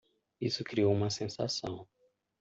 Isso criou uma sensação!